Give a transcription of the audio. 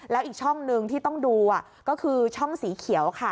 แล้วอีกช่องหนึ่งที่ต้องดูก็คือช่องสีเขียวค่ะ